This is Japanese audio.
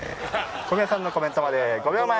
小宮さんのコメントまで５秒前。